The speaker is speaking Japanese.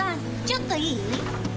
ちょっといい？